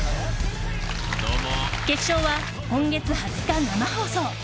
決勝は今月２０日、生放送！